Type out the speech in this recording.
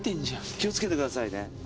気を付けてくださいね。